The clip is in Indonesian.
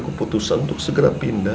saya sudah harus tolong valinda